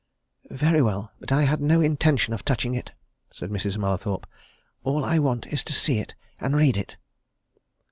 "Very well but I had no intention of touching it," said Mrs. Mallathorpe. "All I want is to see it and read it."